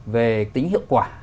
về tính hiệu quả